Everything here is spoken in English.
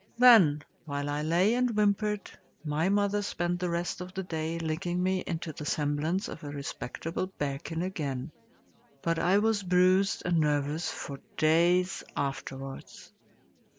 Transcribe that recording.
Then, while I lay and whimpered, my mother spent the rest of the day licking me into the semblance of a respectable bearkin again. But I was bruised and nervous for days afterwards.